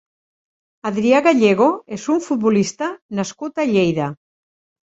Adrià Gallego és un futbolista nascut a Lleida.